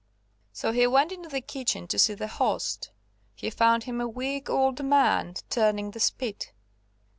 So he went into the kitchen to see the host; he found him a weak old man turning the spit.